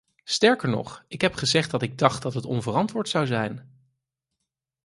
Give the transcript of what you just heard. Sterker nog, ik heb gezegd dat ik dacht dat het onverantwoord zou zijn.